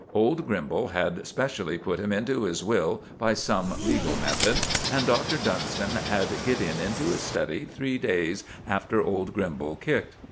Old Grimbal had specially put him into his will by some legal method, and Doctor Dunston had Gideon into his study three days after old Grimbal kicked.